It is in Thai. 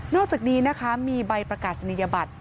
อกจากนี้นะคะมีใบประกาศนียบัตร